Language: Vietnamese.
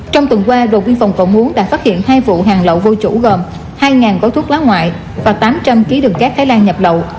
trong tuần qua đồn biên phòng cầu muốn đã phát hiện hai vụ hàng lậu vô chủ gồm hai gói thuốc lá ngoại và tám trăm linh kg thái lan nhập lậu